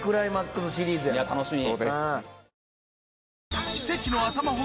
楽しみ。